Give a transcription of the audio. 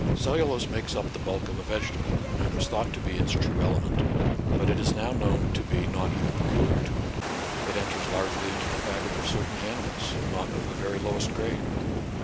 Cellulose makes up the bulk of a vegetable, and was thought to be its true element. But it is now known to be not even peculiar to it : it enters largely into the fabric of certain ani mals, not of the very lowest grade.